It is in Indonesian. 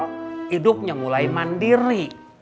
hidupnya mulai mandiri